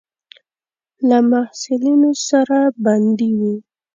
له محصلینو سره بندي وو.